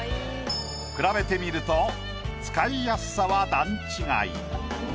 比べてみると使いやすさは段違い。